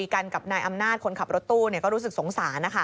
ก็ไม่ได้มันนั่งคุยกันอยู่เลย